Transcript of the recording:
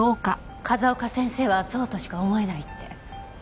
風丘先生はそうとしか思えないって。